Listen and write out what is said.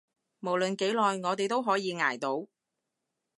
無論幾耐，我哋都可以捱到